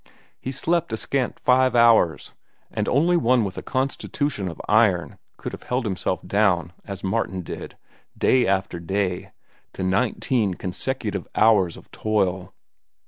He slept a scant five hours, and only one with a constitution of iron could have held himself down, as Martin did, day after day, to nineteen consecutive hours of toil.